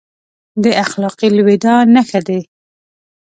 د اخلاقي لوېدا نښه دی.